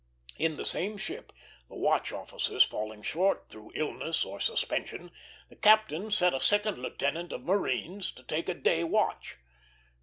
In the same ship, the watch officers falling short, through illness or suspension, the captain set a second lieutenant of marines to take a day watch.